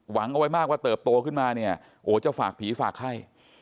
หวังเอาไว้มากว่าเติบโตขึ้นมาเนี่ยโอ้จะฝากผีฝากไข้